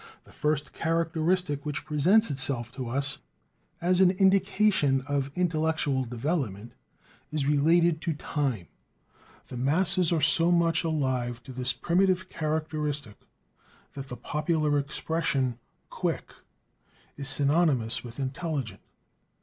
The first characteristic which presents itself to us as an indication of intellectual development is related to time. The masses are so much alive to this primitive characteristic, that the popular expression "quick" is synonymous with intelligent.